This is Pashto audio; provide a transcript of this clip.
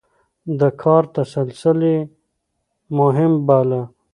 د کار تسلسل يې مهم باله.